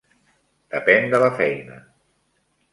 Depèn de la feina.